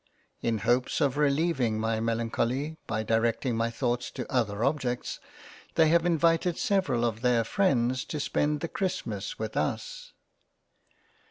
In hopes of releiving my melan choly, by directing my thoughts to other objects, they have invited several of their freinds to spend the Christmas with us.